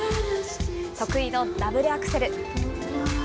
得意のダブルアクセル。